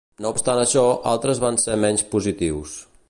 No obstant això, altres van ser menys positius.